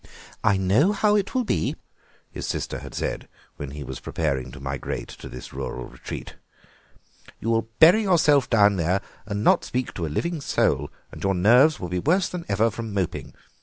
"I know how it will be," his sister had said when he was preparing to migrate to this rural retreat; "you will bury yourself down there and not speak to a living soul, and your nerves will be worse than ever from moping.